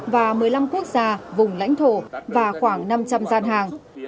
và một mươi năm quốc gia vùng lãnh thổ và khoảng năm trăm linh gian hàng